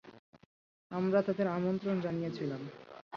আমরা তাদের আমন্ত্রণ জানিয়েছিলাম।